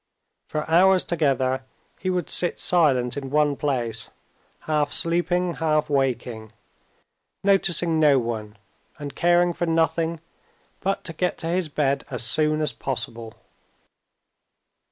For hours together, he would sit silent in one place, half sleeping, half waking; noticing no one, and caring for nothing but to get to his bed as soon as possible.